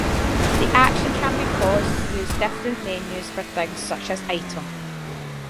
The action can be paused to use different menus for things such as item.